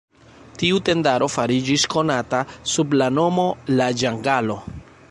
Tiu tendaro fariĝis konata sub la nomo "La Ĝangalo".